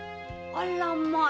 あらまあ！